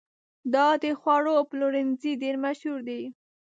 دا د خوړو پلورنځی ډېر مشهور دی.